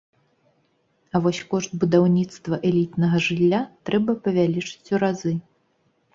А вось кошт будаўніцтва элітнага жылля трэба павялічыць у разы.